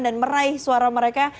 dan meraih suara mereka